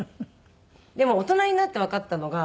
でも大人になってわかったのが。